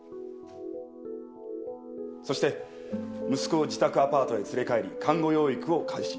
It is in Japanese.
そして息子を自宅アパートへ連れ帰り監護養育を開始。